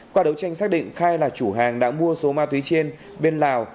qua đấu tranh xác định khai là chủ hàng đã mua số ma túy trên bên lào